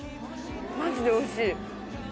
マジでおいしい！